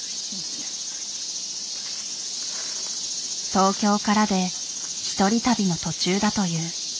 東京からで１人旅の途中だという。